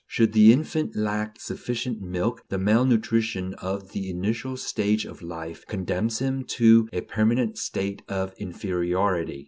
Should the infant lack sufficient milk, the mal nutrition of the initial stage of life condemns him to a permanent state of inferiority.